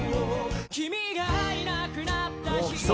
「君がいなくなった日々も」